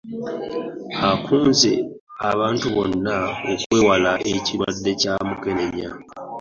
Akunze abantu bonna okwewala ekirwadde kya Mukenenya.